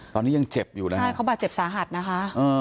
ตอนนี้ยังเจ็บอยู่นะใช่เขาบาดเจ็บสาหัสนะคะ